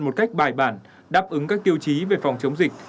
một cách bài bản đáp ứng các tiêu chí về phòng chống dịch